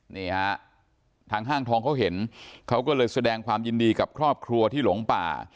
นี่ฮะทางห้างทองเขาเห็นเขาก็เลยแสดงความยินดีกับครอบครัวที่หลงป่า